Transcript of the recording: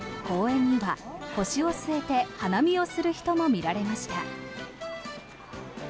公園には腰を据えて花見をする人も見られました。